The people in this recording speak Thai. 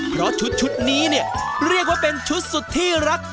เพราะชุดนี้เนี่ยเรียกว่าเป็นชุดสุดที่รัก